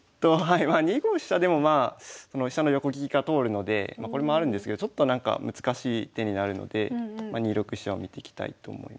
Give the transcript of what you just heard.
２五飛車でもまあ飛車の横利きが通るのでこれもあるんですけどちょっとなんか難しい手になるので２六飛車を見ていきたいと思います。